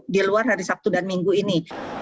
di luar hari sabtu dan minggu ini